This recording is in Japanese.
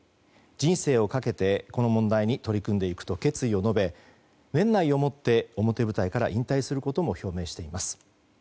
人生をかけて、この問題に取り組んでいくと決意を述べ年内をもって表舞台から引退することも表明しています。